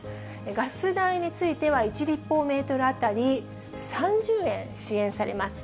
ガス代については１立方メートル当たり３０円支援されます。